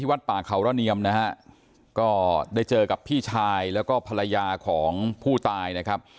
วัดป่าเขาระเนียมนะฮะก็ได้เจอกับพี่ชายแล้วก็ภรรยาของผู้ตายนะครับ